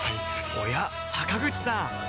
おや坂口さん